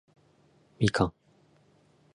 みかん